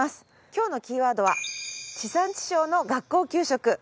今日のキーワードは地産地消の学校給食。